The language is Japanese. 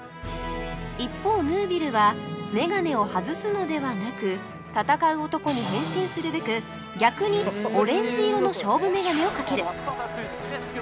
一方ヌービルはメガネを外すのではなく戦う男に変身するべく逆にオレンジ色の勝負メガネをかける